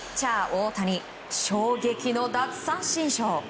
大谷衝撃の奪三振ショー。